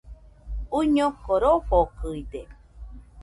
Uiñoko rofokɨide